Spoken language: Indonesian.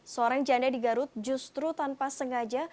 seorang janda di garut justru tanpa sengaja